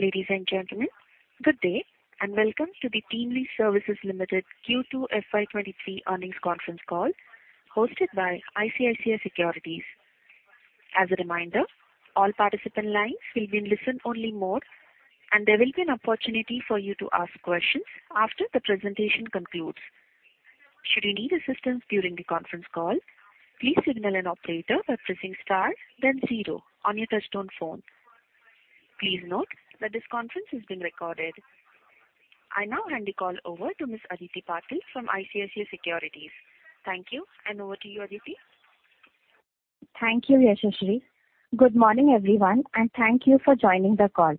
Ladies and gentlemen, good day and welcome to the TeamLease Services Limited Q2 FY 2023 earnings conference call hosted by ICICI Securities. As a reminder, all participant lines will be in listen only mode, and there will be an opportunity for you to ask questions after the presentation concludes. Should you need assistance during the conference call, please signal an operator by pressing star then zero on your touchtone phone. Please note that this conference is being recorded. I now hand the call over to Ms. Aditi Patil from ICICI Securities. Thank you and over to you, Aditi. Thank you, Yashashree. Good morning, everyone, and thank you for joining the call.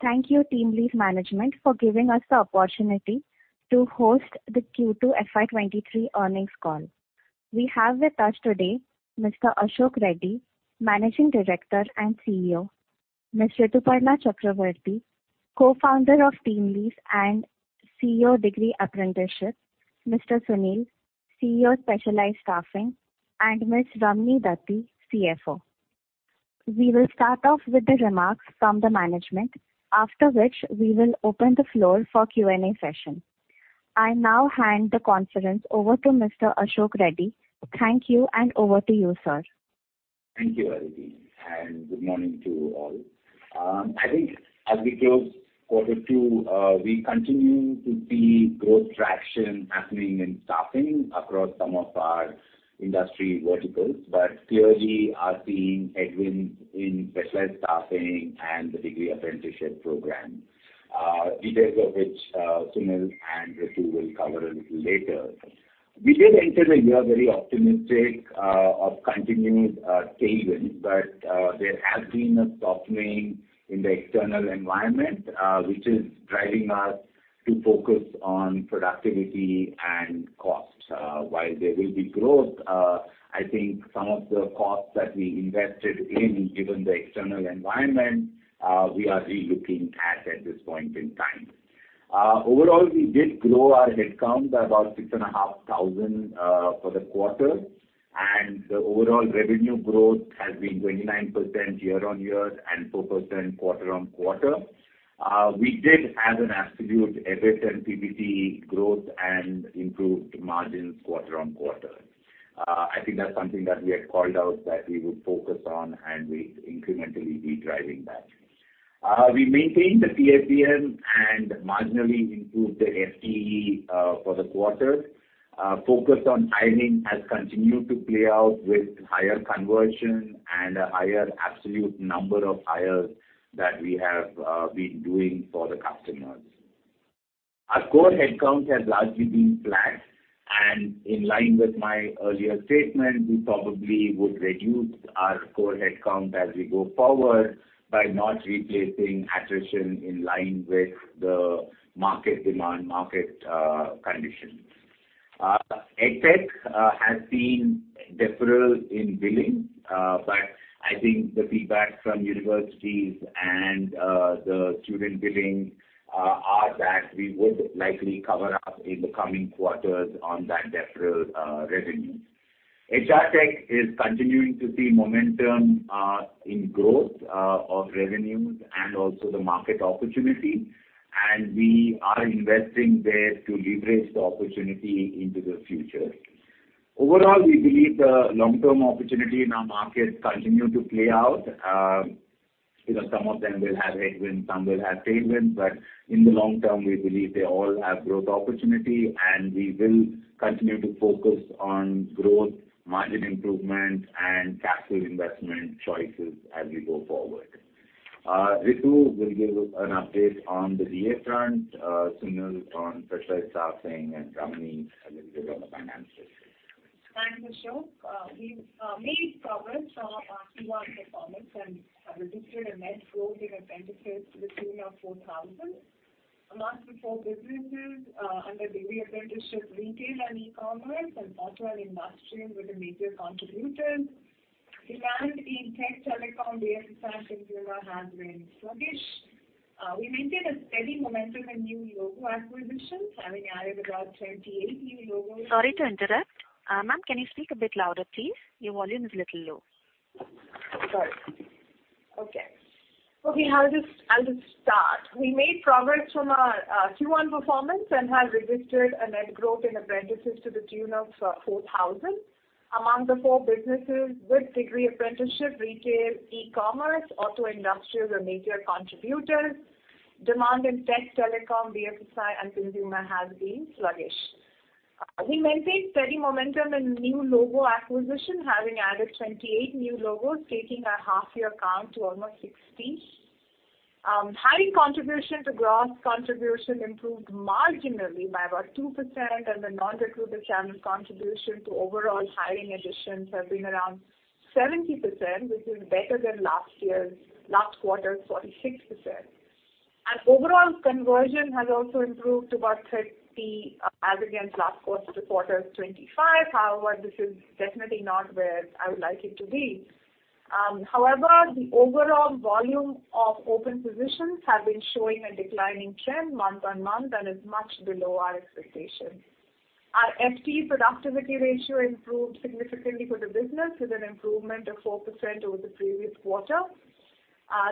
Thank you TeamLease management for giving us the opportunity to host the Q2 FY 2023 earnings call. We have with us today Mr. Ashok Reddy, Managing Director and Chief Executive Officer, Mr. Rituparna Chakraborty, Co-founder of TeamLease and Chief Executive Officer, Degree Apprenticeship, Mr. Sunil, Chief Executive Officer, Specialized Staffing, and Ms. Ramani Dathi, Chief Financial Officer. We will start off with the remarks from the management, after which we will open the floor for Q&A session. I now hand the conference over to Mr. Ashok Reddy. Thank you and over to you, sir. Thank you, Aditi, and good morning to you all. I think as we close quarter two, we continue to see growth traction happening in staffing across some of our industry verticals. Clearly we're seeing headwinds in Specialized Staffing and the Degree Apprenticeship program, details of which, Sunil and Ritu will cover a little later. We did enter the year very optimistic of continued tailwind, but there has been a softening in the external environment, which is driving us to focus on productivity and costs. While there will be growth, I think some of the costs that we invested in, given the external environment, we are re-looking at this point in time. Overall, we did grow our headcount by about 6,500 for the quarter, and the overall revenue growth has been 29% year-on-year and 4% quarter-on-quarter. We did have an absolute EBIT and PBT growth and improved margins quarter-on-quarter. I think that's something that we had called out that we would focus on, and we'll incrementally be driving that. We maintained the PSPM and marginally improved the FTE for the quarter. Focus on hiring has continued to play out with higher conversion and a higher absolute number of hires that we have been doing for the customers. Our core headcount has largely been flat. In line with my earlier statement, we probably would reduce our core headcount as we go forward by not replacing attrition in line with the market demand, market conditions. EdTech has seen deferral in billing, but I think the feedback from universities and the student billing are that we would likely catch up in the coming quarters on that deferral revenue. HR Tech is continuing to see momentum in growth of revenues and also the market opportunity, and we are investing there to leverage the opportunity into the future. Overall, we believe the long-term opportunity in our markets continue to play out. You know, some of them will have headwinds, some will have tailwinds. In the long term, we believe they all have growth opportunity, and we will continue to focus on growth, margin improvement and capital investment choices as we go forward. Rituparna will give an update on the DA front, Sunil on specialized staffing, and Ramani a little bit on the finances. Thanks, Ashok. We've made progress from our Q1 performance and have registered a net growth in apprentices to the tune of 4,000. Among the four businesses under Degree Apprenticeship, retail and e-commerce and auto and industrial were the major contributors. Demand in tech, telecom, BFSI, consumer has been sluggish. We maintained a steady momentum in new logo acquisitions, having added about 28 new logos. Sorry to interrupt. Ma'am, can you speak a bit louder, please? Your volume is a little low. I'll just start. We made progress from our Q1 performance and have registered a net growth in apprentices to the tune of 4,000. Among the four businesses with Degree Apprenticeship, retail, e-commerce, auto, industrial are major contributors. Demand in tech, telecom, BFSI and consumer has been sluggish. We maintained steady momentum in new logo acquisition, having added 28 new logos, taking our half year count to almost 60. Hiring contribution to gross contribution improved marginally by about 2%, and the non-recruiter channel contribution to overall hiring additions have been around 70%, which is better than last quarter's 46%. Overall conversion has also improved to about 30% as against last quarter-to-quarter's 25%. However, this is definitely not where I would like it to be. However, the overall volume of open positions have been showing a declining trend month-on-month and is much below our expectations. Our FTE productivity ratio improved significantly for the business with an improvement of 4% over the previous quarter.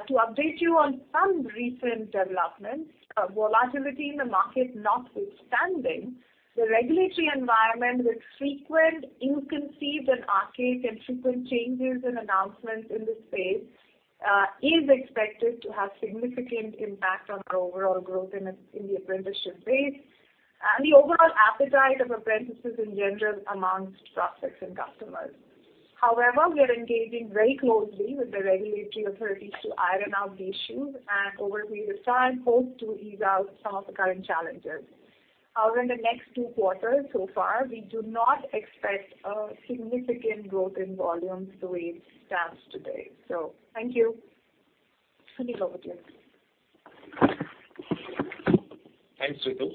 To update you on some recent developments, volatility in the market notwithstanding, the regulatory environment with frequent ill-conceived and archaic and frequent changes and announcements in the space is expected to have significant impact on our overall growth in the apprenticeship space and the overall appetite of apprentices in general amongst prospects and customers. However, we are engaging very closely with the regulatory authorities to iron out the issues and over a period of time, hope to ease out some of the current challenges. However, in the next two quarters so far, we do not expect a significant growth in volumes the way it stands today. Thank you. Sunil, over to you. Thanks, Ritu.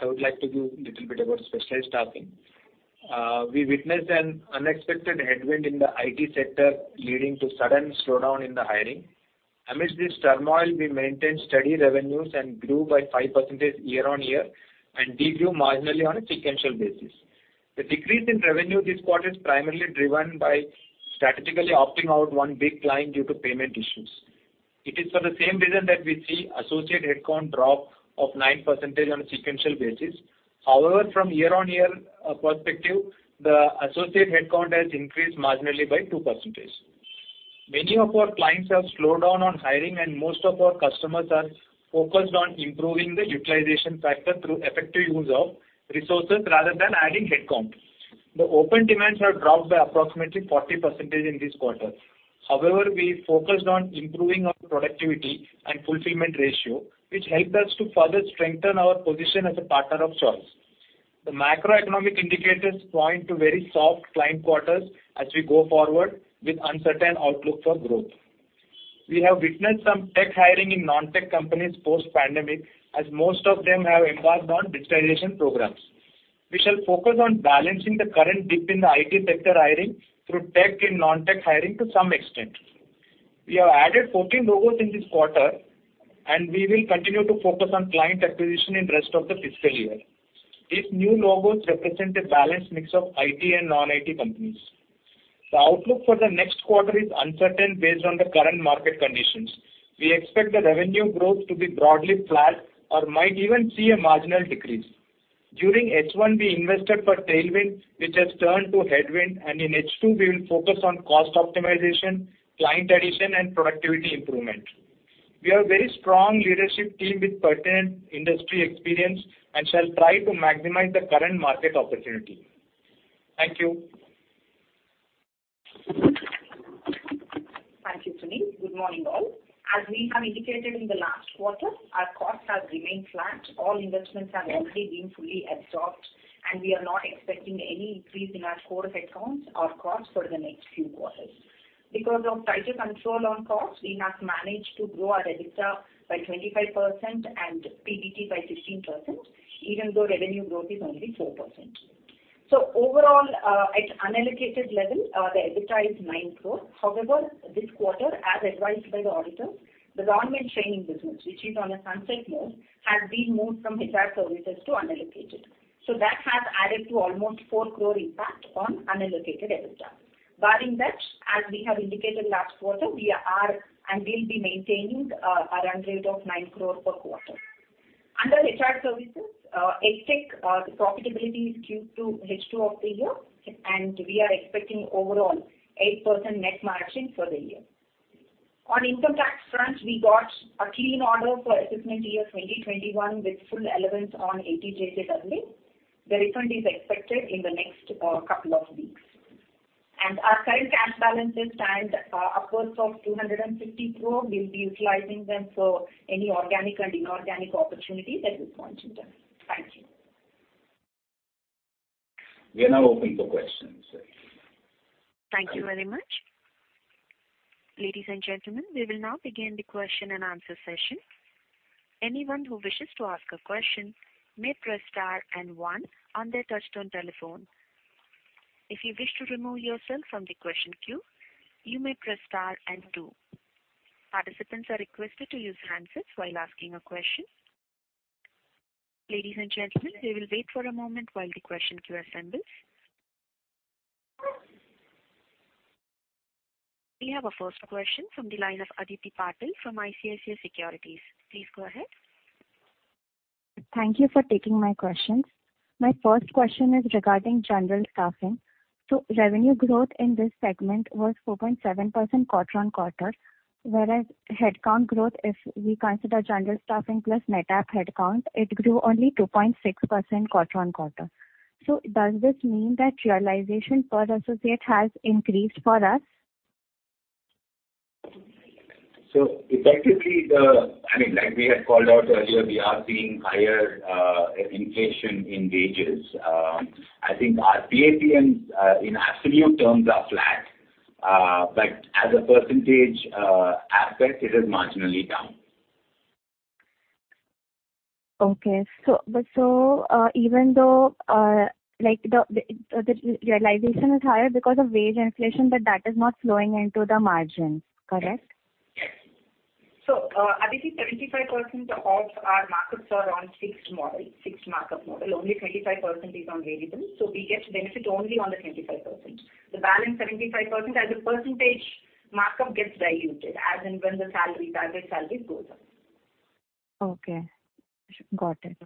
I would like to give little bit about Specialized Staffing. We witnessed an unexpected headwind in the IT sector, leading to sudden slowdown in the hiring. Amidst this turmoil, we maintained steady revenues and grew by 5% year-on-year and de-grew marginally on a sequential basis. The decrease in revenue this quarter is primarily driven by strategically opting out one big client due to payment issues. It is for the same reason that we see associate headcount drop of 9% on a sequential basis. However, from year-on-year perspective, the associate headcount has increased marginally by 2%. Many of our clients have slowed down on hiring, and most of our customers are focused on improving the utilization factor through effective use of resources rather than adding headcount. The open demands have dropped by approximately 40% in this quarter. However, we focused on improving our productivity and fulfillment ratio, which helped us to further strengthen our position as a partner of choice. The macroeconomic indicators point to very soft client quarters as we go forward with uncertain outlook for growth. We have witnessed some tech hiring in non-tech companies post-pandemic, as most of them have embarked on digitalization programs. We shall focus on balancing the current dip in the IT sector hiring through tech and non-tech hiring to some extent. We have added 14 logos in this quarter, and we will continue to focus on client acquisition in rest of the fiscal year. These new logos represent a balanced mix of IT and non-IT companies. The outlook for the next quarter is uncertain based on the current market conditions. We expect the revenue growth to be broadly flat or might even see a marginal decrease. During H1, we invested for tailwind, which has turned to headwind, and in H2 we will focus on cost optimization, client addition and productivity improvement. We have very strong leadership team with pertinent industry experience and shall try to maximize the current market opportunity. Thank you. Thank you, Sunil. Good morning, all. As we have indicated in the last quarter, our costs have remained flat. All investments have already been fully absorbed, and we are not expecting any increase in our core headcounts or costs for the next few quarters. Because of tighter control on costs, we have managed to grow our EBITDA by 25% and PBT by 16%, even though revenue growth is only 4%. Overall, at unallocated level, the EBITDA is 9 crore. However, this quarter, as advised by the auditor, the government training business, which is on a sunset mode, has been moved from HR services to unallocated. That has added to almost 4 crore impact on unallocated EBITDA. Barring that, as we have indicated last quarter, we are and will be maintaining, our run rate of 9 crore per quarter. Under HR services, HR Tech, the profitability is due to H2 of the year, and we are expecting overall 8% net margin for the year. On income tax front, we got a clean audit for assessment year 2021 with full reliance on JSW. The refund is expected in the next couple of weeks. Our current cash balances stand upwards of 250 crore. We'll be utilizing them for any organic and inorganic opportunity that we point to them. Thank you. We are now open for questions. Thank you very much. Ladies and gentlemen, we will now begin the question-and-answer session. Anyone who wishes to ask a question may press star and one on their touch-tone telephone. If you wish to remove yourself from the question queue, you may press star and two. Participants are requested to use handsets while asking a question. Ladies and gentlemen, we will wait for a moment while the question queue assembles. We have our first question from the line of Aditi Patil from ICICI Securities. Please go ahead. Thank you for taking my questions. My first question is regarding general staffing. Revenue growth in this segment was 4.7% quarter-on-quarter, whereas headcount growth, if we consider general staffing plus NETAP headcount, it grew only 2.6% quarter-on-quarter. Does this mean that realization per associate has increased for us? Effectively, I mean, like we had called out earlier, we are seeing higher inflation in wages. I think our PAP in absolute terms are flat. As a percentage aspect it is marginally down. Even though like the realization is higher because of wage inflation, but that is not flowing into the margin, correct? I think 25% of our markups are on fixed-markup model. Only 25% is on variable, so we get benefit only on the 25%. The balance 75% as a percentage markup gets diluted as and when the salary, target salary goes up. Okay. Got it.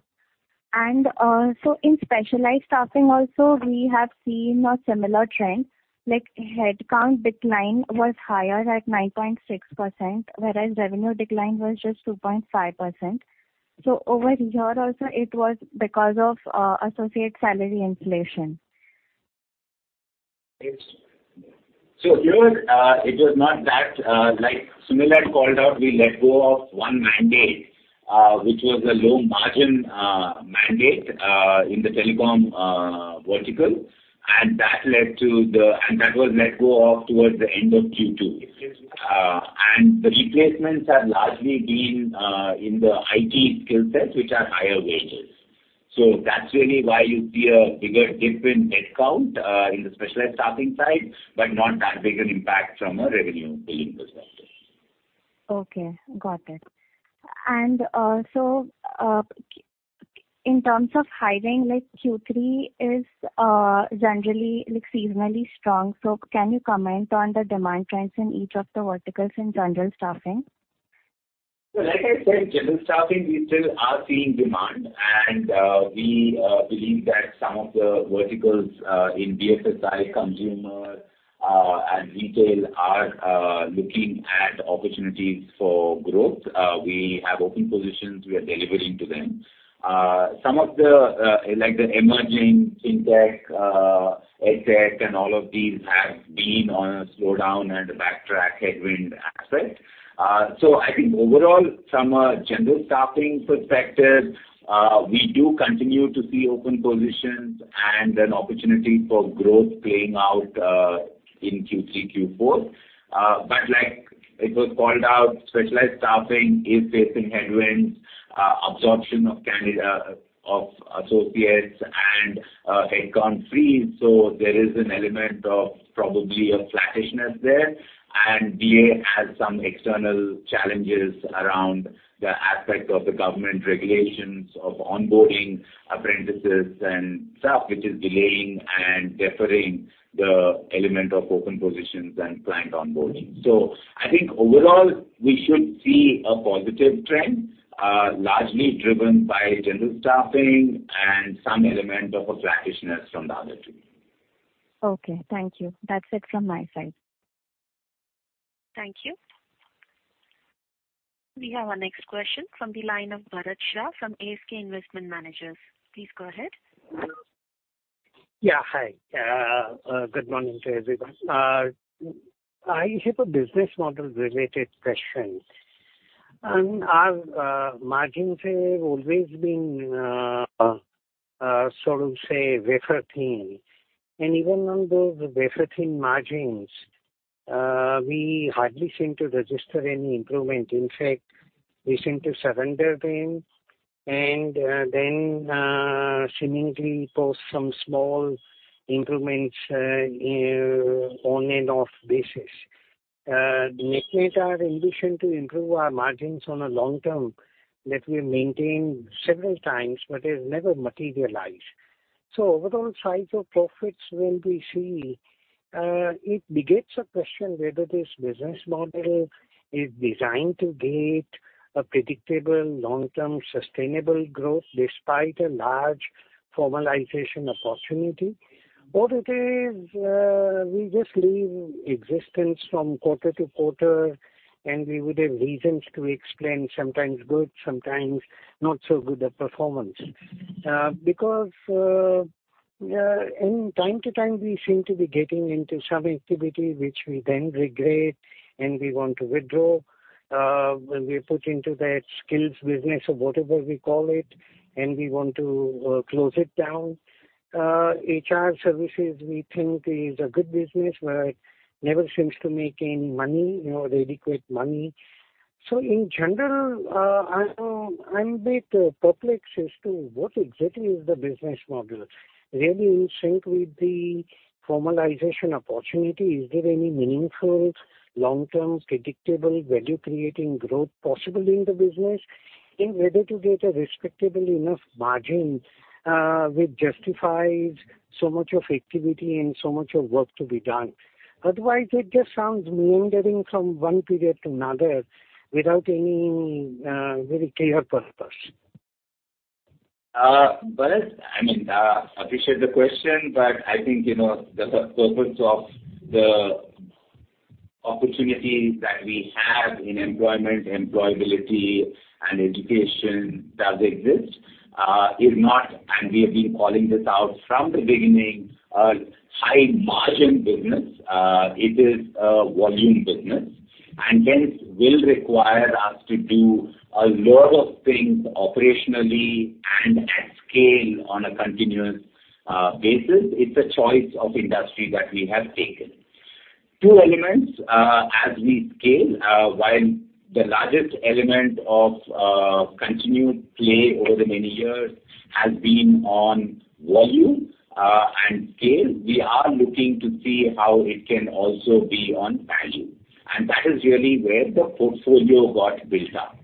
In specialized staffing also we have seen a similar trend, like headcount decline was higher at 9.6%, whereas revenue decline was just 2.5%. Over here also it was because of associate salary inflation. Yes. Here, it was not that, like Sunil had called out, we let go of one mandate, which was a low margin mandate, in the telecom vertical. That was let go of towards the end of Q2. The replacements have largely been in the IT skill set, which are higher wages. That's really why you see a bigger dip in headcount in the specialized staffing side, but not that big an impact from a revenue billing perspective. Okay, got it. Also, in terms of hiring, like Q3 is generally, like seasonally strong. Can you comment on the demand trends in each of the verticals in general staffing? Like I said, general staffing we still are seeing demand. We believe that some of the verticals in BFSI consumer and retail are looking at opportunities for growth. We have open positions, we are delivering to them. Some of the like the emerging fintech, EdTech and all of these have been on a slowdown and a backtrack headwind aspect. I think overall from a general staffing perspective, we do continue to see open positions and an opportunity for growth playing out in Q3, Q4. Like it was called out, specialized staffing is facing headwinds, absorption of associates and headcount freeze. There is an element of probably a flattishness there. DA has some external challenges around the aspect of the government regulations of onboarding apprentices and staff, which is delaying and deferring the element of open positions and planned onboarding. I think overall we should see a positive trend, largely driven by general staffing and some element of a flattishness from the other two. Okay, thank you. That's it from my side. Thank you. We have our next question from the line of Bharat Shah from ASK Investment Managers. Please go ahead. Yeah, hi. Good morning to everyone. I have a business model related question. Our margins have always been sort of, say, wafer-thin. Even on those wafer-thin margins, we hardly seem to register any improvement. In fact, we seem to surrender them and then seemingly post some small improvements on and off basis. Lately our ambition to improve our margins on a long-term that we maintained several times but has never materialized. Overall size of profits when we see, it begets a question whether this business model is designed to get a predictable, long-term, sustainable growth despite a large formalization opportunity. Or it is, we just eke out an existence from quarter to quarter, and we would have reasons to explain sometimes good, sometimes not so good a performance. Because from time to time we seem to be getting into some activity which we then regret and we want to withdraw. When we got into that skills business or whatever we call it, and we want to close it down. HR services we think is a good business, but it never seems to make any money or adequate money. In general, I'm a bit perplexed as to what exactly is the business model really in sync with the formalization opportunity. Is there any meaningful long-term predictable value creating growth possible in the business? Whether to get a respectable enough margin which justifies so much of activity and so much of work to be done. Otherwise, it just sounds meandering from one period to another without any very clear purpose. Bharat, I mean, appreciate the question, but I think, you know, the purpose of the opportunities that we have in employment, employability and education does exist. It is not, and we have been calling this out from the beginning, a high margin business. It is a volume business, and hence will require us to do a lot of things operationally and at scale on a continuous basis. It's a choice of industry that we have taken. Two elements as we scale. While the largest element of continued play over the many years has been on volume and scale, we are looking to see how it can also be on value. That is really where the portfolio got built up.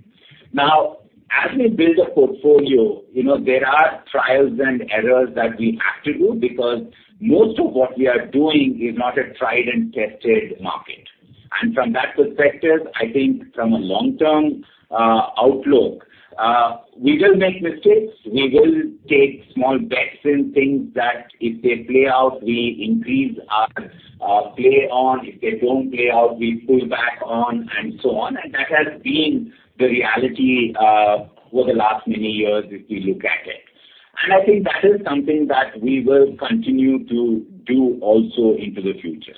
Now, as we build a portfolio, you know, there are trials and errors that we have to do because most of what we are doing is not a tried and tested market. From that perspective, I think from a long-term outlook, we will make mistakes. We will take small bets in things that if they play out, we increase our play on. If they don't play out, we pull back on and so on. That has been the reality over the last many years, if you look at it. I think that is something that we will continue to do also into the future.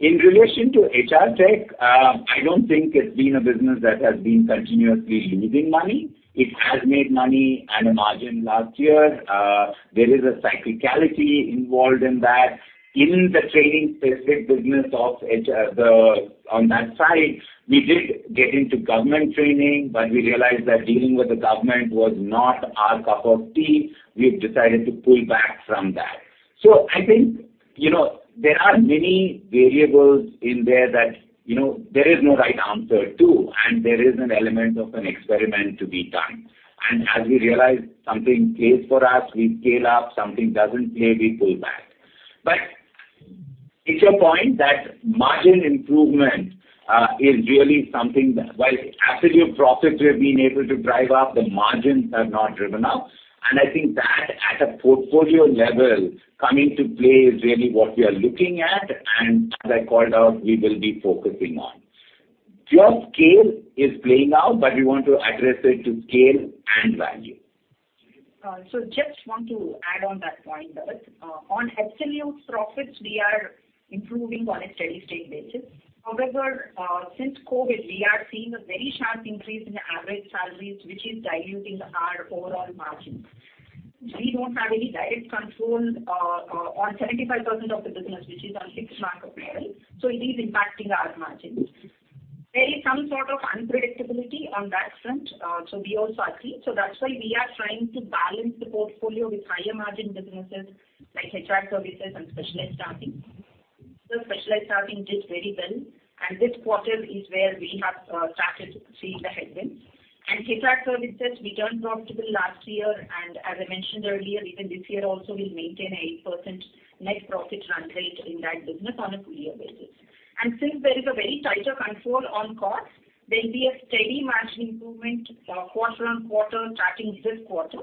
In relation to HR Tech, I don't think it's been a business that has been continuously losing money. It has made money and a margin last year. There is a cyclicality involved in that. In the training-specific business of HR on that side, we did get into government training, but we realized that dealing with the government was not our cup of tea. We've decided to pull back from that. I think, you know, there are many variables in there that, you know, there is no right answer to, and there is an element of an experiment to be done. As we realize something plays for us, we scale up. Something doesn't play, we pull back. It's your point that margin improvement is really something that while absolute profits we have been able to drive up, the margins have not driven up. I think that at a portfolio level coming to play is really what we are looking at and as I called out, we will be focusing on. Pure scale is playing out, but we want to address it to scale and value. Just want to add on that point, Bharat. On absolute's profits, we are improving on a steady-state basis. However, since COVID, we are seeing a very sharp increase in the average salaries, which is diluting our overall margins. We don't have any direct control on 75% of the business, which is on fixed-markup model, so it is impacting our margins. There is some sort of unpredictability on that front, so we also are seeing. That's why we are trying to balance the portfolio with higher margin businesses like HR services and specialized staffing. The specialized staffing did very well, and this quarter is where we have started to see the headwinds. HR services, we turned profitable last year, and as I mentioned earlier, even this year also we'll maintain an 8% net profit run rate in that business on a full year basis. Since there is a very tighter control on costs, there'll be a steady margin improvement, quarter-on-quarter starting this quarter,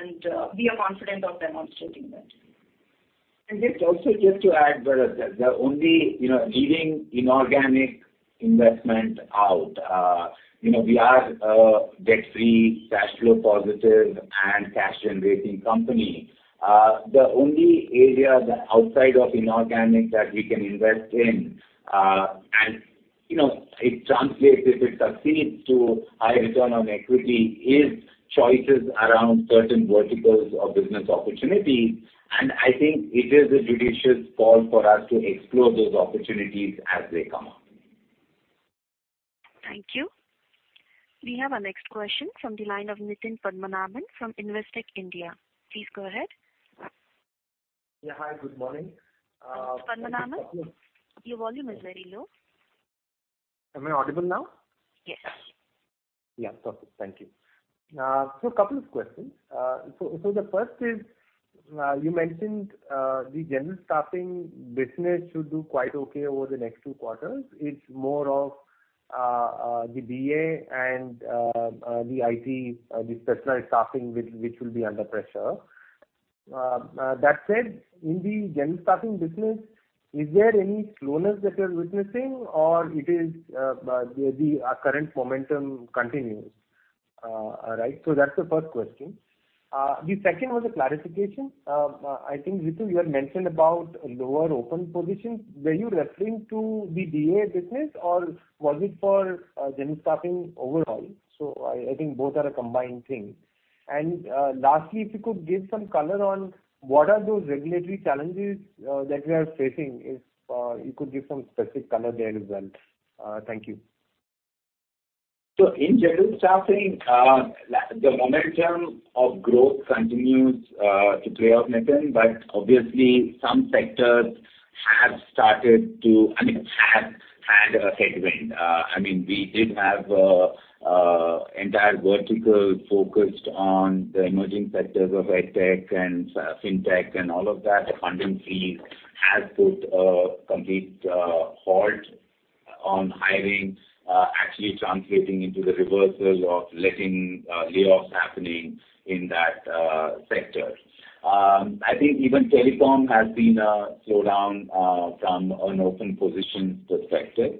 and we are confident of demonstrating that. Just to add, Bharat, the only, you know, leaving inorganic investment out, you know, we are a debt-free, cash flow positive and cash-generating company. The only area that, outside of inorganic, we can invest in, and, you know, it translates if it succeeds to high return on equity is choices around certain verticals of business opportunities. I think it is a judicious call for us to explore those opportunities as they come up. Thank you. We have our next question from the line of Nithin Padmanabhan from Investec India. Please go ahead. Yeah. Hi, good morning. Padmanabhan, your volume is very low. Am I audible now? Yes. Yeah. Perfect. Thank you. A couple of questions. The first is, you mentioned the general staffing business should do quite okay over the next two quarters. It's more of the BFSI and the IT, the specialized staffing which will be under pressure. That said, in the general staffing business, is there any slowness that you're witnessing, or it is our current momentum continues? Right? That's the first question. The second was a clarification. I think, Rituparna, you had mentioned about lower open positions. Were you referring to the BFSI business, or was it for general staffing overall? I think both are a combined thing. Lastly, if you could give some color on what are those regulatory challenges that we are facing, if you could give some specific color there as well. Thank you. In general staffing, the momentum of growth continues to play out, Nithin, but obviously some sectors, I mean, have had a headwind. I mean, we did have an entire vertical focused on the emerging sectors of EdTech and fintech and all of that. The funding freeze has put a complete halt on hiring, actually translating into reversals leading to layoffs happening in that sector. I think even telecom has been a slowdown from an open positions perspective.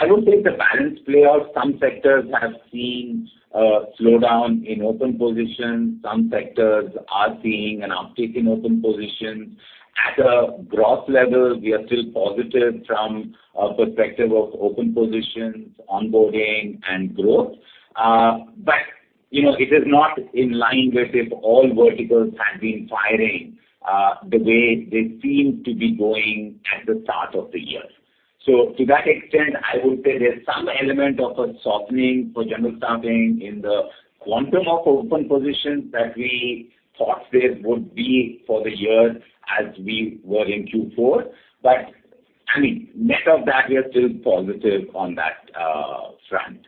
I would say the balance play of some sectors have seen a slowdown in open positions. Some sectors are seeing an uptick in open positions. At a gross level, we are still positive from a perspective of open positions, onboarding, and growth. You know, it is not in line with if all verticals had been firing the way they seemed to be going at the start of the year. To that extent, I would say there's some element of a softening for general staffing in the quantum of open positions that we thought there would be for the year as we were in Q4. I mean, net of that, we are still positive on that front.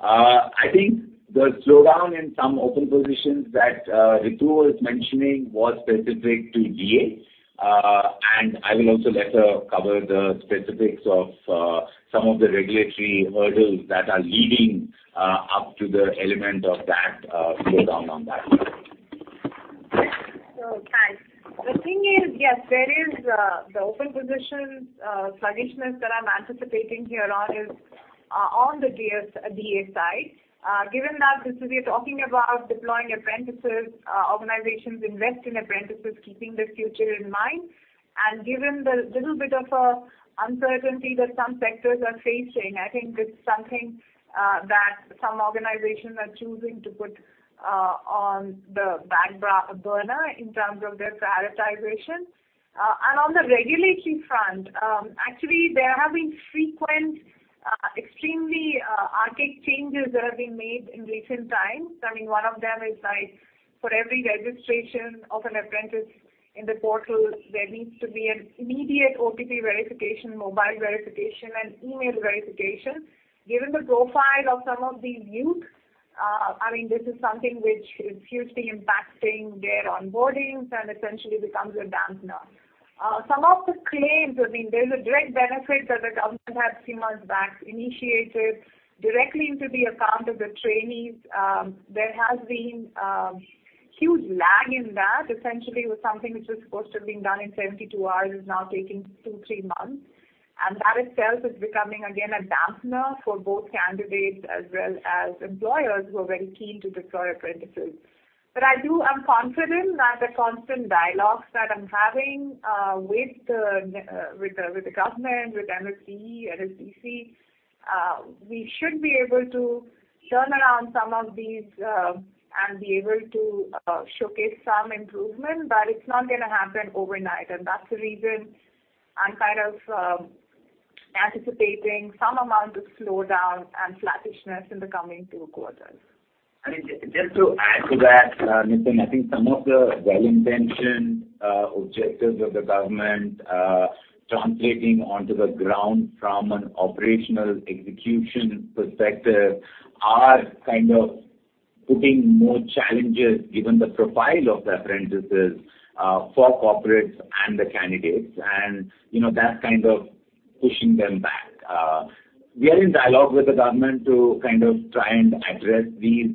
I think the slowdown in some open positions that Ritu was mentioning was specific to DA. I will also let her cover the specifics of some of the regulatory hurdles that are leading up to the element of that slowdown on that front. Sure. Thanks. The thing is, yes, there is the open positions sluggishness that I'm anticipating here on the DA side. Given that since we are talking about deploying apprentices, organizations invest in apprentices keeping the future in mind, and given the little bit of uncertainty that some sectors are facing, I think it's something that some organizations are choosing to put on the back burner in terms of their prioritization. On the regulatory front, actually, there have been frequent extremely erratic changes that have been made in recent times. I mean, one of them is like for every registration of an apprentice in the portal, there needs to be an immediate OTP verification, mobile verification and email verification. Given the profile of some of these youth, I mean, this is something which is hugely impacting their onboardings and essentially becomes a dampener. Some of the claims, I mean, there's a direct benefit that the government had three months back initiated directly into the account of the trainees. There has been huge lag in that. Essentially, it was something which was supposed to have been done in 72 hours is now taking 2-3 months. That itself is becoming again a dampener for both candidates as well as employers who are very keen to deploy apprentices. But I do. I'm confident that the constant dialogues that I'm having with the government, with MSDE, NSDC, we should be able to turn around some of these and be able to showcase some improvement, but it's not gonna happen overnight. That's the reason I'm kind of anticipating some amount of slowdown and flattishness in the coming two quarters. I mean, just to add to that, Nithin, I think some of the well-intentioned objectives of the government translating onto the ground from an operational execution perspective are kind of putting more challenges, given the profile of the apprentices, for corporates and the candidates and, you know, that's kind of pushing them back. We are in dialogue with the government to kind of try and address these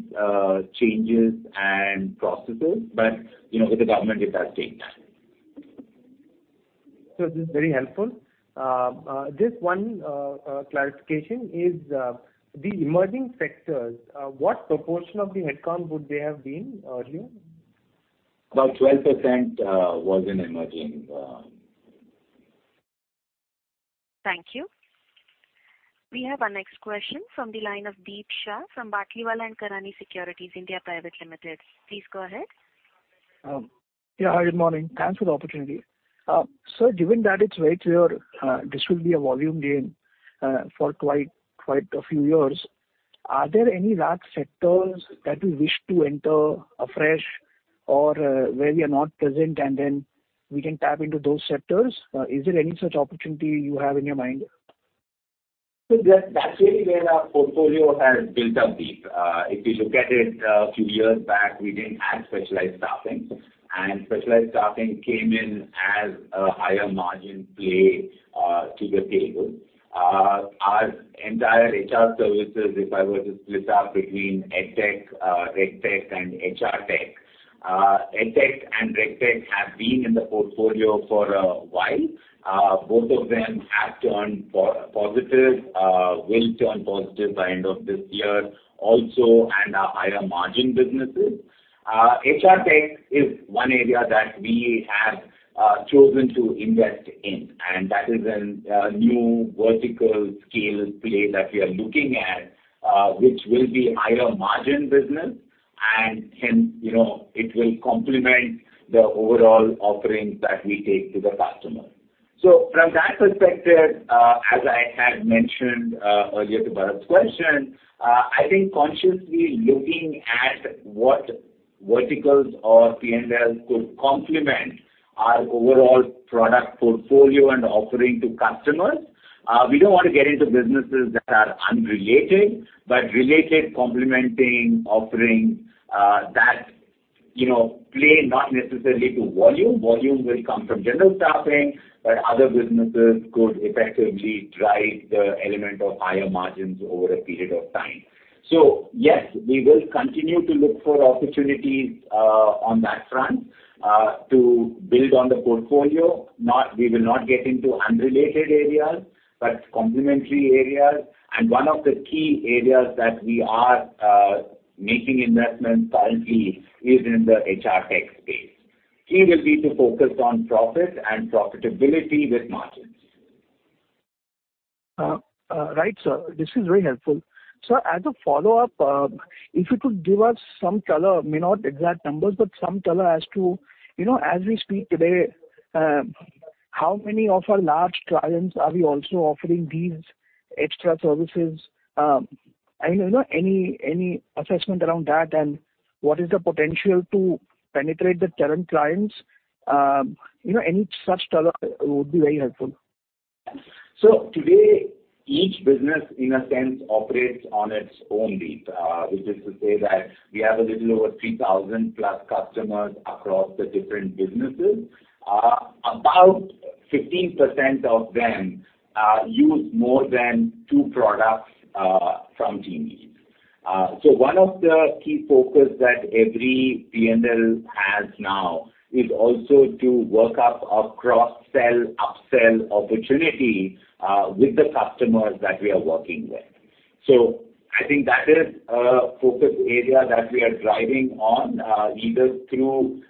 changes and processes. You know, with the government it does take time. Sir, this is very helpful. Just one clarification is, the emerging sectors, what proportion of the headcount would they have been earlier? About 12% was in emerging. Thank you. We have our next question from the line of Deep Shah from Batlivala & Karani Securities India Private Limited. Please go ahead. Yeah. Hi, good morning. Thanks for the opportunity. Sir, given that it's very clear, this will be a volume gain for quite a few years, are there any large sectors that you wish to enter afresh or where we are not present and then we can tap into those sectors? Is there any such opportunity you have in your mind? That, that's really where our portfolio has built up, Deep. If you look at it, few years back, we didn't have specialized staffing. Specialized staffing came in as a higher margin play to the table. Our entire HR services, if I were to split up between EdTech, RegTech and HRTech, EdTech and RegTech have been in the portfolio for a while. Both of them have turned positive, will turn positive by end of this year also and are higher margin businesses. HRTech is one area that we have chosen to invest in, and that is a new vertical scale play that we are looking at, which will be higher margin business and can, you know, it will complement the overall offerings that we take to the customer. From that perspective, as I had mentioned earlier to Bharat's question, I think consciously looking at what verticals or P&Ls could complement our overall product portfolio and offering to customers. We don't want to get into businesses that are unrelated, but related complementing offering, that, you know, play not necessarily to volume. Volume will come from general staffing, but other businesses could effectively drive the element of higher margins over a period of time. Yes, we will continue to look for opportunities on that front to build on the portfolio. We will not get into unrelated areas, but complementary areas. One of the key areas that we are making investments currently is in the HRTech space. Key will be to focus on profit and profitability with margins. Right, sir. This is very helpful. Sir, as a follow-up, if you could give us some color, maybe not exact numbers, but some color as to, you know, as we speak today, how many of our large clients are we also offering these extra services. I mean, you know, any assessment around that, and what is the potential to penetrate the current clients? You know, any such color would be very helpful. Today, each business in a sense operates on its own beat. Which is to say that we have a little over 3,000+ customers across the different businesses. About 15% of them use more than two products from TeamLease. One of the key focus that every P&L has now is also to work up our cross-sell, up-sell opportunity with the customers that we are working with. I think that is a focus area that we are driving on, either through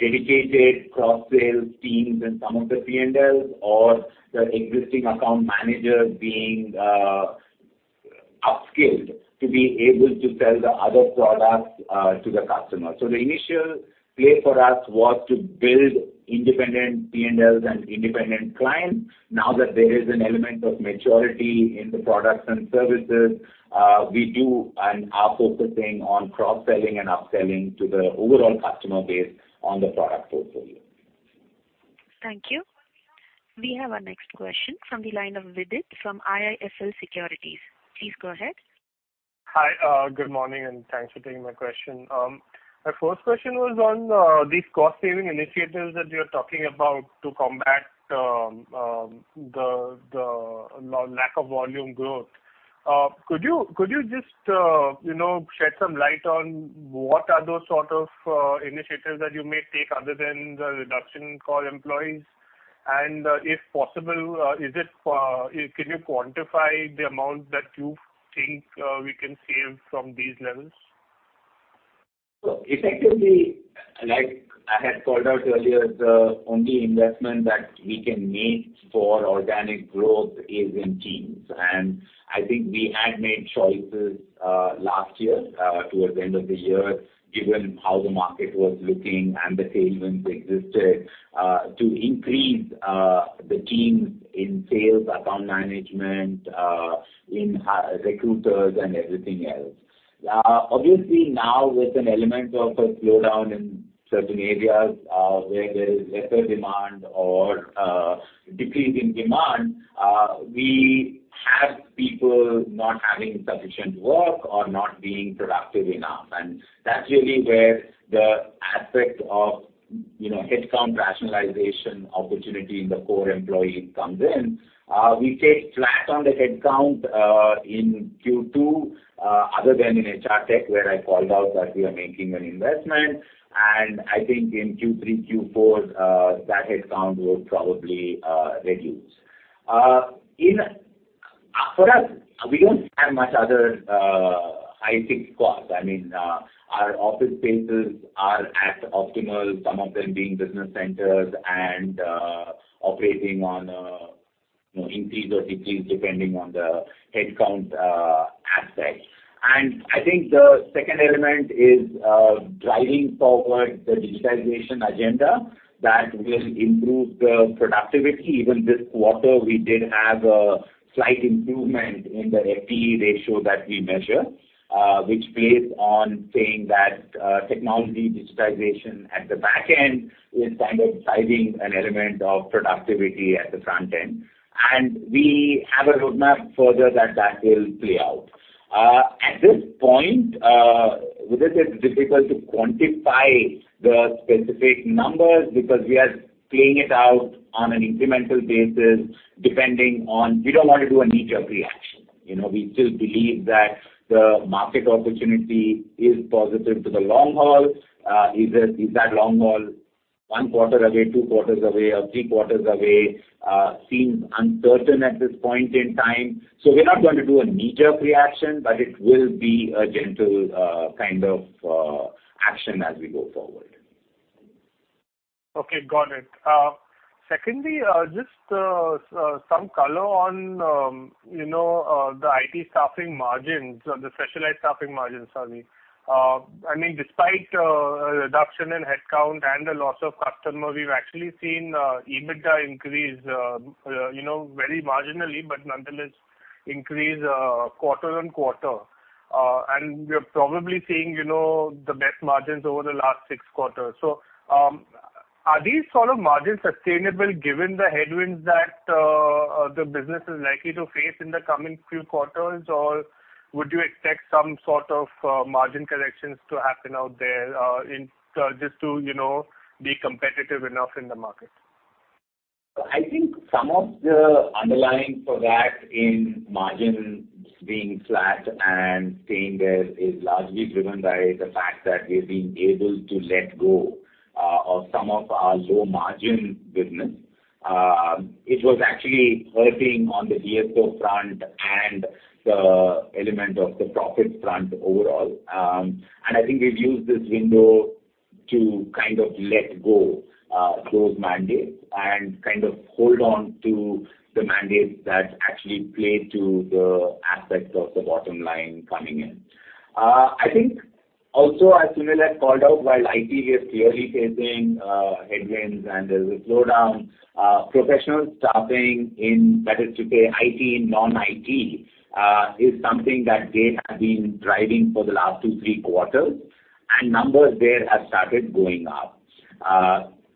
dedicated cross-sales teams in some of the P&Ls or the existing account manager being up-skilled to be able to sell the other products to the customer. The initial play for us was to build independent P&Ls and independent clients. Now that there is an element of maturity in the products and services, we do and are focusing on cross-selling and up-selling to the overall customer base on the product portfolio. Thank you. We have our next question from the line of Vidit from IIFL Securities. Please go ahead. Hi, good morning, and thanks for taking my question. My first question was on these cost-saving initiatives that you're talking about to combat the lack of volume growth. Could you just, you know, shed some light on what are those sort of initiatives that you may take other than the reduction in core employees? And if possible, can you quantify the amount that you think we can save from these levels? Effectively, like I had called out earlier, the only investment that we can make for organic growth is in teams. I think we had made choices, last year, towards the end of the year, given how the market was looking and the tailwinds existed, to increase, the teams in sales, account management, in HR recruiters and everything else. Obviously now with an element of a slowdown in certain areas, where there is lesser demand or, decrease in demand, we have people not having sufficient work or not being productive enough. That's really where the aspect of, you know, headcount rationalization opportunity in the core employee comes in. We stayed flat on the headcount in Q2, other than in HR Tech, where I called out that we are making an investment, and I think in Q3, Q4, that headcount will probably reduce. For us, we don't have much other high fixed costs. I mean, our office spaces are at optimal, some of them being business centers and operating on, you know, increase or decrease depending on the headcount aspect. I think the second element is driving forward the digitization agenda that will improve the productivity. Even this quarter, we did have a slight improvement in the FTE ratio that we measure, which plays on saying that technology digitization at the back end is kind of driving an element of productivity at the front end. We have a roadmap further that will play out. At this point, this is difficult to quantify the specific numbers because we are playing it out on an incremental basis, depending on. We don't want to do a knee-jerk reaction. You know, we still believe that the market opportunity is positive to the long haul. Is it, is that long haul one quarter away, two quarters away, or three quarters away, seems uncertain at this point in time. We're not going to do a knee-jerk reaction, but it will be a gentle, kind of, action as we go forward. Okay. Got it. Secondly, just some color on, you know, the IT staffing margins or the specialized staffing margins, sorry. I mean, despite a reduction in headcount and the loss of customers, we've actually seen EBITDA increase, you know, very marginally, but nonetheless increase quarter-on-quarter. We're probably seeing, you know, the best margins over the last six quarters. Are these sort of margins sustainable given the headwinds that the business is likely to face in the coming few quarters, or would you expect some sort of margin corrections to happen out there in order to, you know, be competitive enough in the market? I think some of the underlying for that in margins being flat and staying there is largely driven by the fact that we've been able to let go of some of our low-margin business. It was actually hurting on the DSO front and the element of the profit front overall. I think we've used this window to kind of let go close mandates and kind of hold on to the mandates that actually play to the aspects of the bottom line coming in. I think also as Sunil has called out, while IT is clearly facing headwinds and there's a slowdown, professional staffing in, that is to say, IT and non-IT, is something that they have been driving for the last two, three quarters, and numbers there have started going up.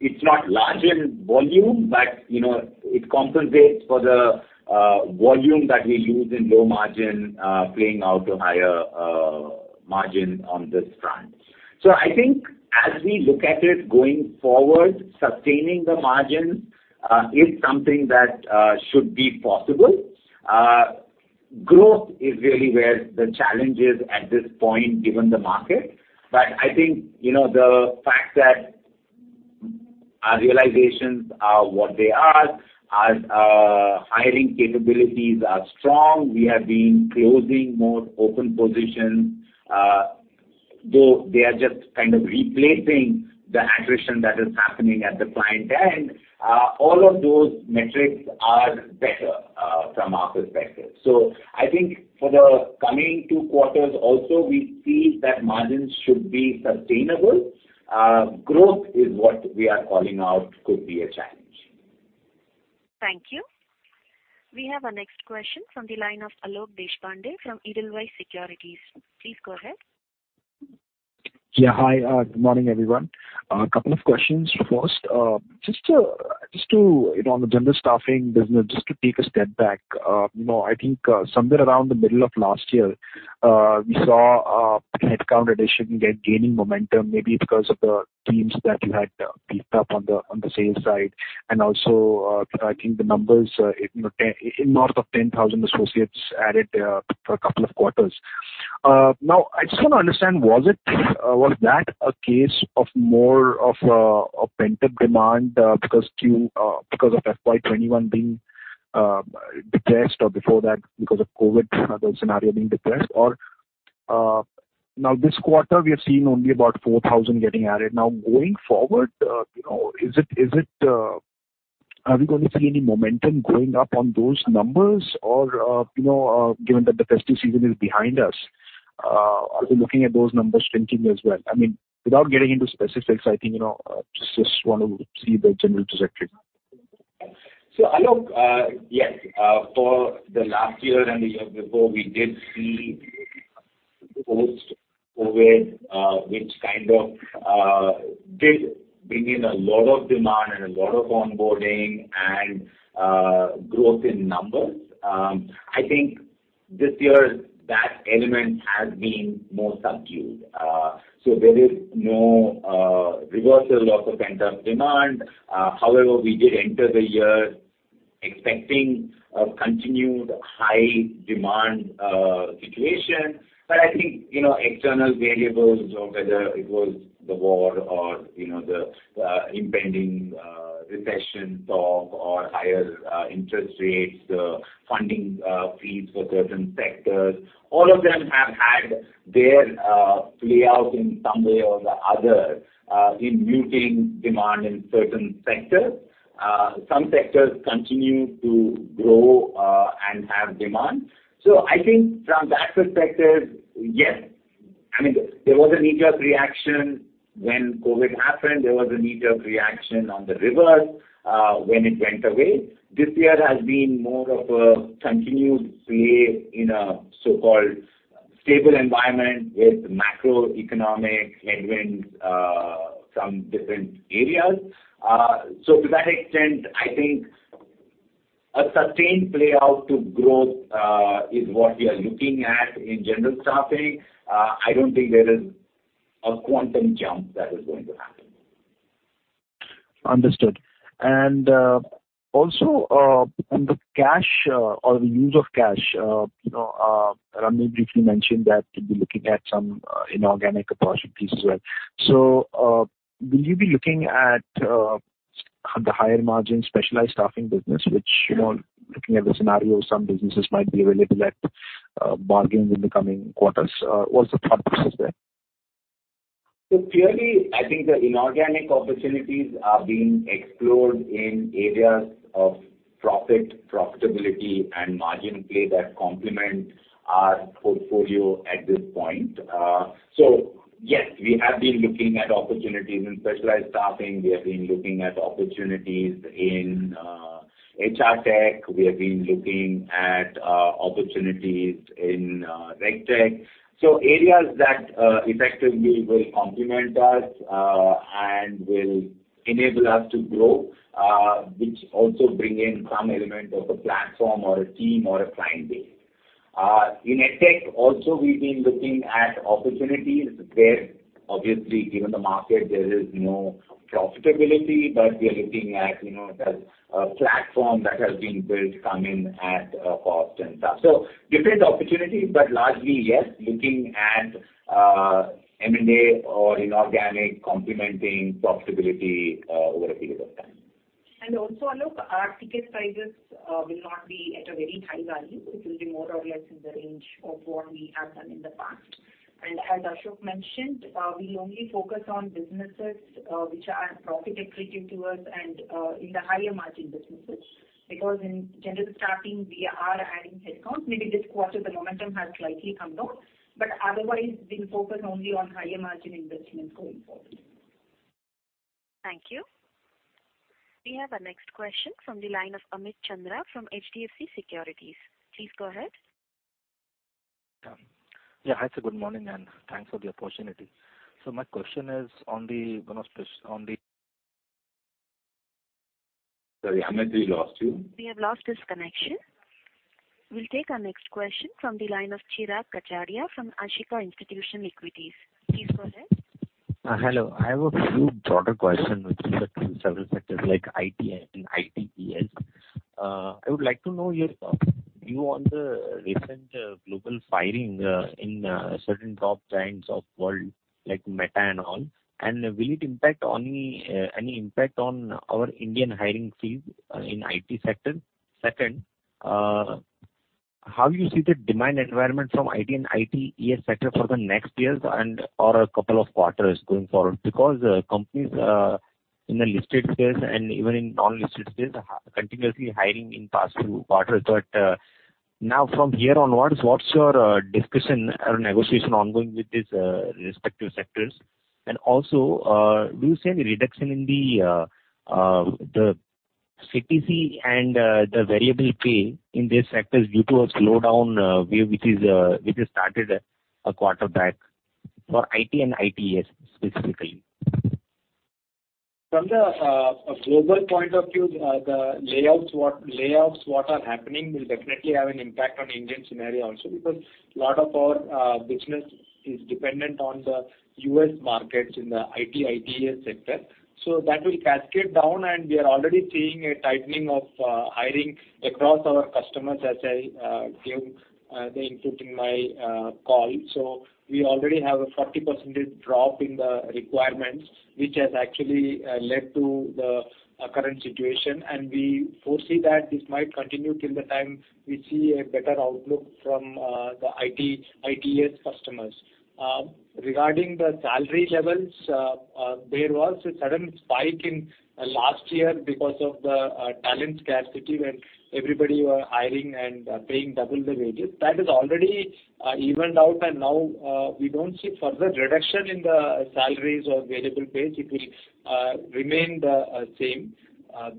It's not large in volume, but, you know, it compensates for the volume that we lose in low margin, playing out to higher margin on this front. I think as we look at it going forward, sustaining the margin is something that should be possible. Growth is really where the challenge is at this point, given the market. I think, you know, the fact that our realizations are what they are, our hiring capabilities are strong. We have been closing more open positions. Though they are just kind of replacing the attrition that is happening at the client end. All of those metrics are better from our perspective. I think for the coming two quarters also, we feel that margins should be sustainable. Growth is what we are calling out, could be a challenge. Thank you. We have our next question from the line of Alok Deshpande from Edelweiss Securities. Please go ahead. Yeah. Hi. Good morning, everyone. A couple of questions. First, just to take a step back, you know, on the general staffing business, I think somewhere around the middle of last year, we saw a headcount addition gaining momentum, maybe because of the teams that you had picked up on the sales side. Also, I think the numbers, you know, in north of 10,000 associates added for a couple of quarters. Now, I just wanna understand, was that a case of more of a pent-up demand because of FY 2021 being depressed, or before that because of COVID, the scenario being depressed? Or now this quarter, we have seen only about 4,000 getting added. Now, going forward, you know, are we gonna see any momentum going up on those numbers? Or, you know, given that the festive season is behind us, are we looking at those numbers shrinking as well? I mean, without getting into specifics, I think, you know, just want to see the general trajectory. Alok, yes, for the last year and the year before, we did see post-COVID, which kind of did bring in a lot of demand and a lot of onboarding and growth in numbers. I think this year that element has been more subdued. There is no reversal of the pent-up demand. However, we did enter the year expecting a continued high demand situation. I think, you know, external variables or whether it was the war or, you know, the impending recession talk or higher interest rates, the funding fees for certain sectors, all of them have had their play out in some way or the other in muting demand in certain sectors. Some sectors continue to grow and have demand. I think from that perspective, yes. I mean, there was a knee-jerk reaction when COVID happened. There was a knee-jerk reaction on the reverse, when it went away. This year has been more of a continued play in a so-called stable environment with macroeconomic headwinds, some different areas. To that extent, I think a sustained play out to growth, is what we are looking at in general staffing. I don't think there is a quantum jump that is going to happen. Understood. Also, on the cash, or the use of cash, you know, Ramani Dathi briefly mentioned that you'll be looking at some inorganic acquisition piece as well. Will you be looking at the higher margin specialized staffing business, which, you know, looking at the scenario, some businesses might be available at bargains in the coming quarters? What's the thought process there? Clearly, I think the inorganic opportunities are being explored in areas of profit, profitability and margin play that complement our portfolio at this point. Yes, we have been looking at opportunities in specialized staffing. We have been looking at opportunities in HR tech. We have been looking at opportunities in RecTech. Areas that effectively will complement us and will enable us to grow, which also bring in some element of a platform or a team or a client base. In EdTech also, we've been looking at opportunities there. Obviously, given the market, there is no profitability, but we are looking at, you know, the platform that has been built come in at a cost and stuff. Different opportunities, but largely yes, looking at M&A or inorganic complementing profitability over a period of time. Alok, our ticket sizes will not be at a very high value. It will be more or less in the range of what we have done in the past. As Ashok mentioned, we only focus on businesses which are profit accretive to us and in the higher margin businesses. Because in general staffing, we are adding headcount. Maybe this quarter the momentum has slightly come down, but otherwise we'll focus only on higher margin investments going forward. Thank you. We have our next question from the line of Amit Chandra from HDFC Securities. Please go ahead. Yeah. Hi, sir. Good morning, and thanks for the opportunity. My question is on the, you know, on the... Sorry, Amit, we lost you. We have lost his connection. We'll take our next question from the line of Chirag Kacharia from Ashika Institutional Equities. Please go ahead. Hello. I have a few broader questions which is between several sectors like IT and ITES. I would like to know your view on the recent global firing in certain top giants of world like Meta and all. Will it have any impact on our Indian hiring freeze in IT sector? Second, how you see the demand environment from IT and ITES sector for the next years and/or a couple of quarters going forward? Because companies in the listed space and even in non-listed space are continuously hiring in past two quarters. Now from here onwards, what's your discussion or negotiation ongoing with these respective sectors? Also, do you see any reduction in the CTC and the variable pay in these sectors due to a slowdown, which has started a quarter back for IT and ITES specifically? From the global point of view, the layoffs that are happening will definitely have an impact on Indian scenario also because a lot of our business is dependent on the U.S. markets in the IT, ITES sector. That will cascade down, and we are already seeing a tightening of hiring across our customers as I gave the input in my call. We already have a 40% drop in the requirements, which has actually led to the current situation. We foresee that this might continue till the time we see a better outlook from the IT, ITES customers. Regarding the salary levels, there was a sudden spike in last year because of the talent scarcity when everybody were hiring and paying double the wages. That is already evened out and now we don't see further reduction in the salaries or variable pays. It will remain the same.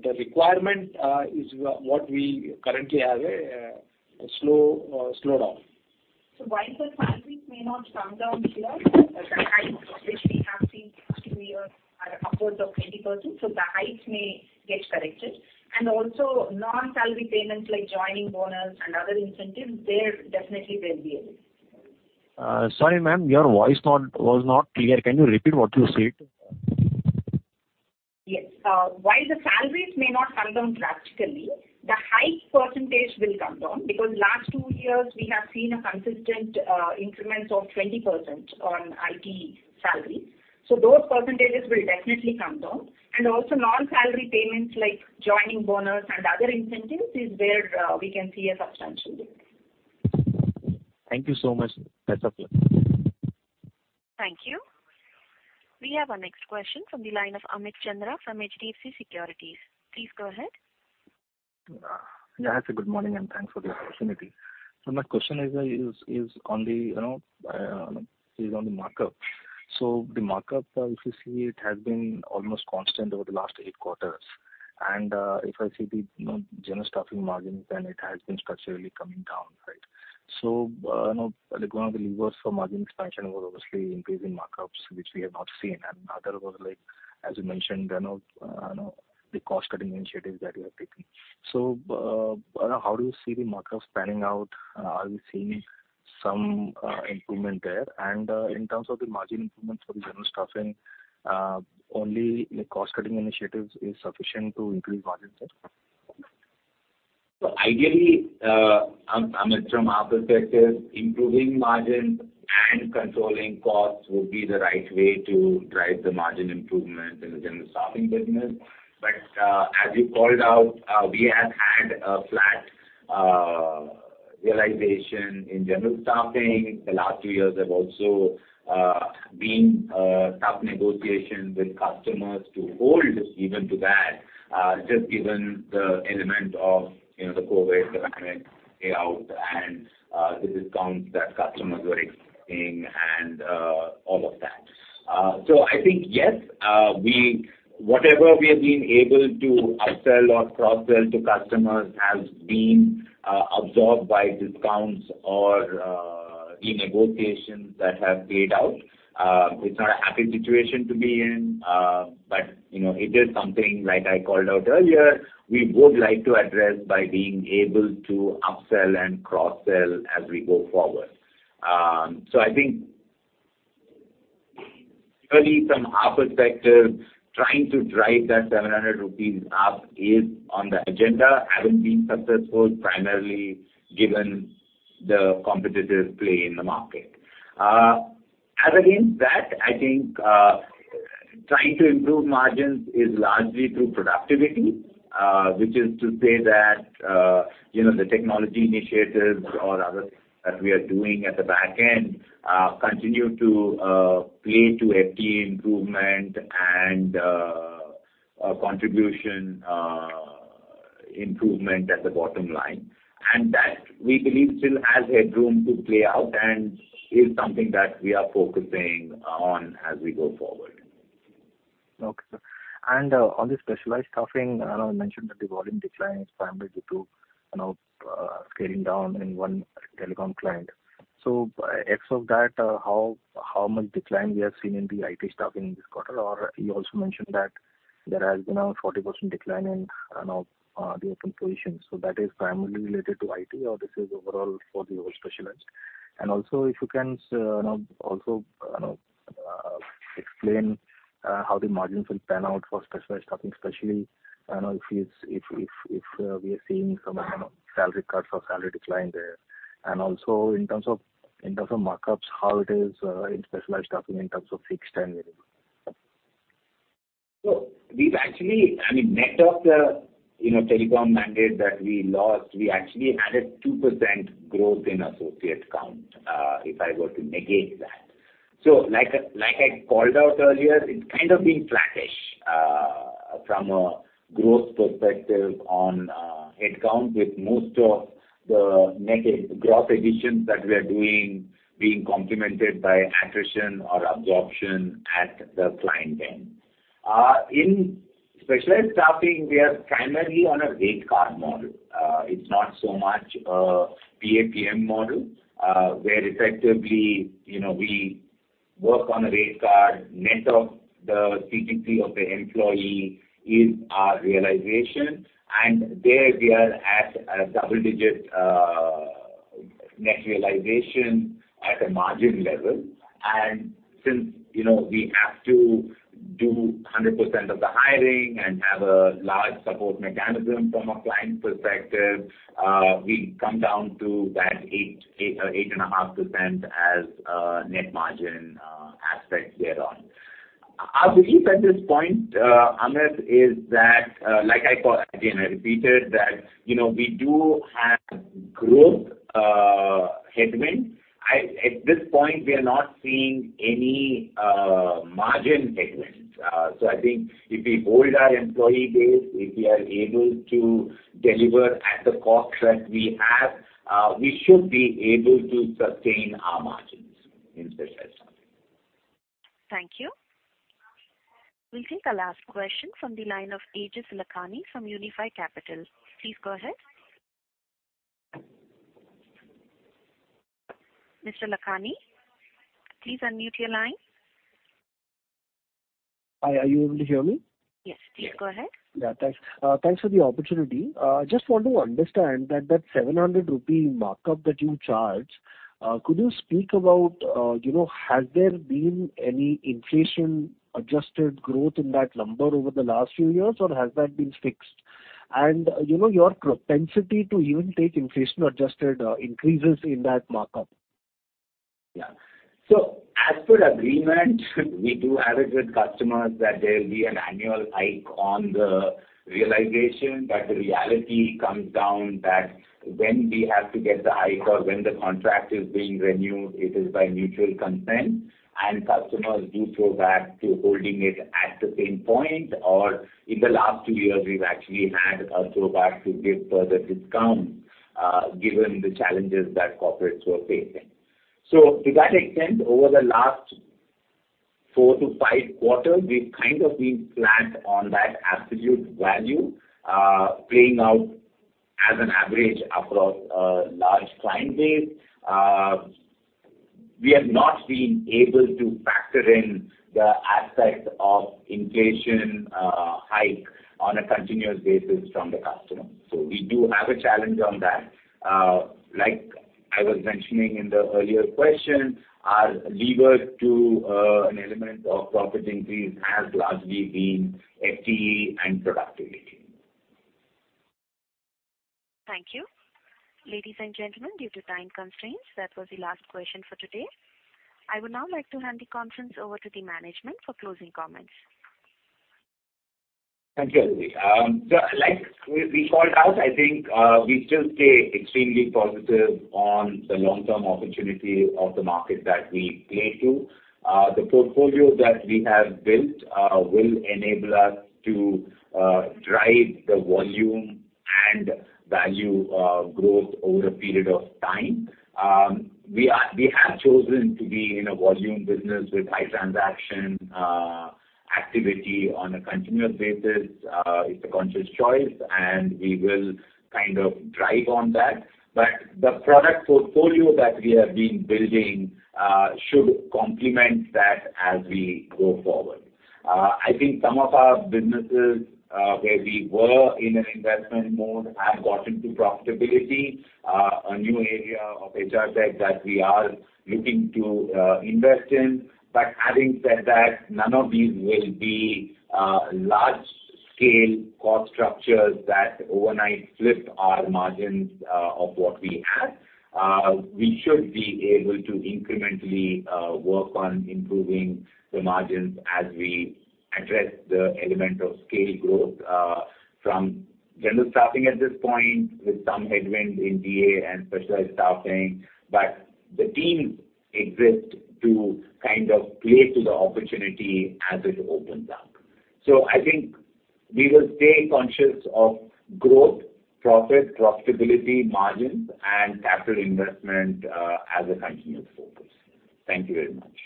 The requirement is what we currently have, a slow slowdown. While the salaries may not come down here, the hikes which we have seen in the last two years are upwards of 20%, so the hikes may get corrected. Also non-salary payments like joining bonus and other incentives, there definitely will be a decrease. Sorry, ma'am. Your voice was not clear. Can you repeat what you said? Yes. While the salaries may not come down drastically, the hike percentage will come down because last two years we have seen a consistent increments of 20% on IT salaries. Those percentages will definitely come down. Also non-salary payments like joining bonus and other incentives is where we can see a substantial difference. Thank you so much. That's helpful. Thank you. We have our next question from the line of Amit Chandra from HDFC Securities. Please go ahead. Yeah, good morning, and thanks for the opportunity. My question is on the markup. The markup, if you see it has been almost constant over the last eight quarters. If I see the general staffing margins, and it has been structurally coming down, right? You know, like, one of the levers for margin expansion was obviously increase in markups, which we have not seen, and other was like, as you mentioned, you know, the cost-cutting initiatives that you have taken. How do you see the markups panning out? Are we seeing some improvement there? In terms of the margin improvements for the general staffing, only the cost-cutting initiatives is sufficient to increase margins, sir? Ideally, Amit, from our perspective, improving margins and controlling costs would be the right way to drive the margin improvement in the general staffing business. As you called out, we have had a flat realization in general staffing. The last two years have also been tough negotiations with customers to hold even to that, just given the element of, you know, the COVID, the pandemic payout and the discounts that customers were expecting and all of that. I think, yes, whatever we have been able to upsell or cross-sell to customers has been absorbed by discounts or the negotiations that have played out. It's not a happy situation to be in, but you know, it is something like I called out earlier, we would like to address by being able to upsell and cross-sell as we go forward. I think purely from our perspective, trying to drive that 700 rupees up is on the agenda. Haven't been successful primarily given the competitive play in the market. Other than that, I think, trying to improve margins is largely through productivity, which is to say that, you know, the technology initiatives or other that we are doing at the back end continue to play to FTE improvement and contribution improvement at the bottom line. That we believe still has headroom to play out and is something that we are focusing on as we go forward. Okay. On the Specialized Staffing, you mentioned that the volume decline is primarily due to, you know, scaling down in one telecom client. Ex of that, how much decline we have seen in the IT staffing this quarter? You also mentioned that there has been a 40% decline in, you know, the open positions. That is primarily related to IT or this is overall for the whole specialized? Also if you can, you know, also, you know, explain how the margins will pan out for Specialized Staffing, especially, you know, if it's, if we are seeing some salary cuts or salary decline there. Also in terms of, in terms of markups, how it is in Specialized Staffing in terms of fixed and variable. We've actually—I mean, net of the, you know, telecom mandate that we lost, we actually added 2% growth in associate count, if I were to negate that. Like I called out earlier, it's kind of been flattish from a growth perspective on head count with most of the negative growth additions that we are doing being complemented by attrition or absorption at the client end. In Specialized Staffing, we are primarily on a rate card model. It's not so much a PAPM model where effectively, you know, we work on a rate card. Net of the CTC of the employee is our realization. There we are at a double-digit net realization at a margin level. Since, you know, we have to do 100% of the hiring and have a large support mechanism from a client perspective, we come down to that 8%-8.5% as a net margin aspect thereon. Our belief at this point, Amit, is that, like I called again, I repeated that, you know, we do have growth headwind. At this point, we are not seeing any margin headwinds. I think if we hold our employee base, if we are able to deliver at the cost that we have, we should be able to sustain our margins in Specialized Staffing. Thank you. We'll take our last question from the line of Aejas Lakhani from Unifi Capital. Please go ahead. Mr. Lakhani, please unmute your line. Hi, are you able to hear me? Yes, please go ahead. Yeah, thanks. Thanks for the opportunity. Just want to understand that 700 rupee markup that you charge, could you speak about, you know, has there been any inflation-adjusted growth in that number over the last few years, or has that been fixed? You know, your propensity to even take inflation-adjusted increases in that markup. Yeah. As per agreement, we do have it with customers that there will be an annual hike on the realization, but the reality comes down that when we have to get the hike or when the contract is being renewed, it is by mutual consent, and customers do flow back to holding it at the same point. In the last two years, we've actually had a throwback to give further discount, given the challenges that corporates were facing. To that extent, over the last four to five quarters, we've kind of been flat on that absolute value, playing out as an average across a large client base. We have not been able to factor in the aspect of inflation, hike on a continuous basis from the customer. We do have a challenge on that. Like I was mentioning in the earlier question, our leverage to an element of profit increase has largely been FTE and productivity. Thank you. Ladies and gentlemen, due to time constraints, that was the last question for today. I would now like to hand the conference over to the management for closing comments. Thank you, Ajit. Like we called out. I think we still stay extremely positive on the long-term opportunity of the market that we play in. The portfolio that we have built will enable us to drive the volume and value growth over a period of time. We have chosen to be in a volume business with high transaction activity on a continuous basis. It's a conscious choice, and we will kind of drive on that. The product portfolio that we have been building should complement that as we go forward. I think some of our businesses where we were in an investment mode have gotten to profitability. A new area of HR Tech that we are looking to invest in. Having said that, none of these will be large-scale cost structures that overnight flip our margins of what we have. We should be able to incrementally work on improving the margins as we address the element of scale growth from general staffing at this point with some headwind in DA and specialized staffing. The team exists to kind of play to the opportunity as it opens up. I think we will stay conscious of growth, profit, profitability, margins and capital investment as a continuous focus. Thank you very much.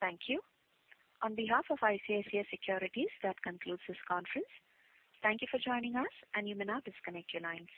Thank you. On behalf of ICICI Securities, that concludes this conference. Thank you for joining us, and you may now disconnect your lines.